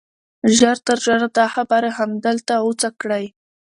ژر تر ژره دا خبره همدلته غوڅه کړئ